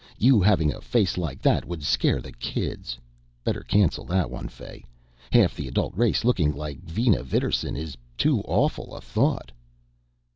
"You having a face like that would scare the kids. Better cancel that one, Fay. Half the adult race looking like Vina Vidarsson is too awful a thought."